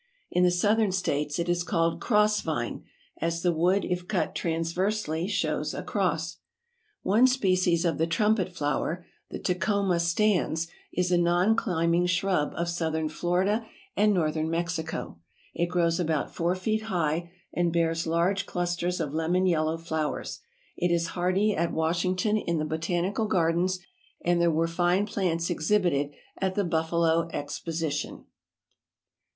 In the southern states it is called cross vine, as the wood if cut transversely shows a cross. One species of the Trumpet Flower, the Tecoma stans, is a non climbing shrub of southern Florida and northern Mexico. It grows about four feet high and bears large clusters of lemon yellow flowers. It is hardy at Washington in the Botanical Gardens and there were fine plants exhibited at the Buffalo Exposition.